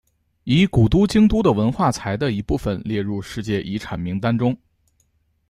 以古都京都的文化财的一部份列入世界遗产名单中。